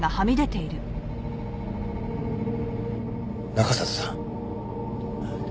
中郷さん。